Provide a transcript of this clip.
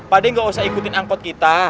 pak d nggak usah ikutin angkot kita